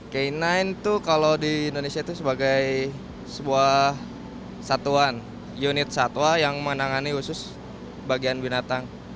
k sembilan itu kalau di indonesia itu sebagai sebuah satuan unit satwa yang menangani khusus bagian binatang